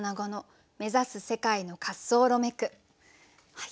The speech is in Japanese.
はい。